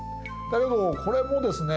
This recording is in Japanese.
だけどこれもですね